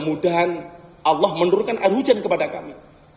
allah telah menurunkan air hujan kepada kita